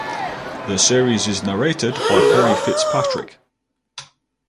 The series is narrated by Perry Fitzpatrick.